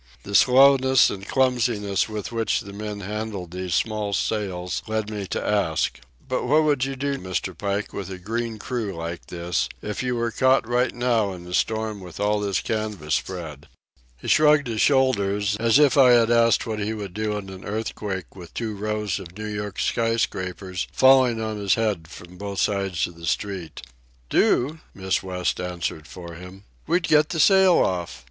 The slowness and clumsiness with which the men handled these small sails led me to ask: "But what would you do, Mr. Pike, with a green crew like this, if you were caught right now in a storm with all this canvas spread?" He shrugged his shoulders, as if I had asked what he would do in an earthquake with two rows of New York skyscrapers falling on his head from both sides of a street. "Do?" Miss West answered for him. "We'd get the sail off.